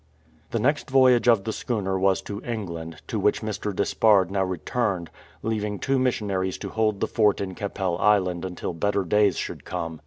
The next voyage of the schooner was to England, to which Mr. Despard now returned, leaving two mission aries to hold the fort in Keppel Island until better days should come.